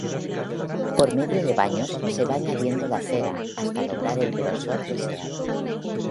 Por medio de baños se va añadiendo la cera, hasta lograr el grosor deseado.